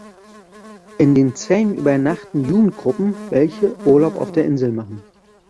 In den Zellen übernachten Jugendgruppen, welche Urlaub auf der Insel machen.